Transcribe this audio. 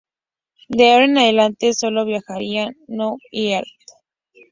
De ahora en adelante sólo viajarían Noonan y Earhart.